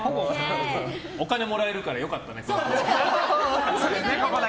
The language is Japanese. お金もらえるから良かったね。